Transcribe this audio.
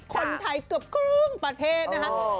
คนไทยเกือบครึ่งประเทศนะคะ